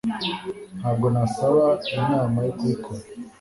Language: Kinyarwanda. Ntabwo nasaba inama yo kubikora